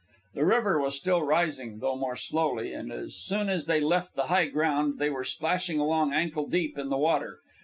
The river was still rising, though more slowly, and as soon as they left the high ground they were splashing along ankle deep in the water.